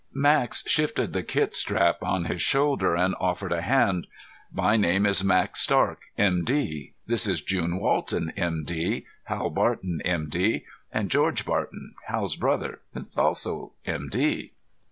Max shifted the kit strap on his shoulder and offered a hand. "My name is Max Stark, M.D. This is June Walton, M.D., Hal Barton, M.D., and George Barton, Hal's brother, also M.D."